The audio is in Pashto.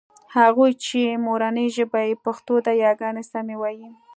هغوی چې مورنۍ ژبه يې پښتو ده یاګانې سمې وايي